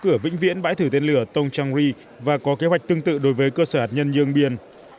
triều tiên sẽ vĩnh viễn bãi thử tiên lửa tông trang ri và có kế hoạch tương tự đối với cơ sở hạt nhân nhương biên